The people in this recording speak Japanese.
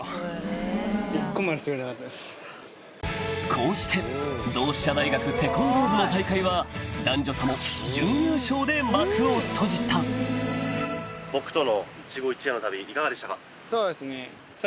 こうして同志社大学テコンドー部の大会は男女ともで幕を閉じたそうですね。